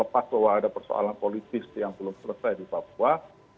pas bahwa ada persoalan politis yang belum selesai di papua